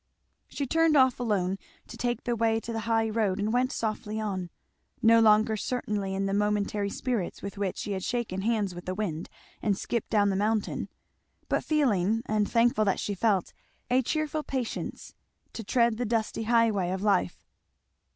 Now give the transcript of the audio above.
She turned off alone to take the way to the high road and went softly on, no longer certainly in the momentary spirits with which she had shaken hands with the wind and skipped down the mountain; but feeling, and thankful that she felt, a cheerful patience to tread the dusty highway of life.